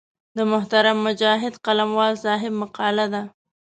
د محترم مجاهد قلموال صاحب مقاله ده.